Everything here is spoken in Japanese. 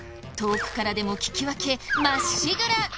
遠くからでも聞き分けまっしぐら！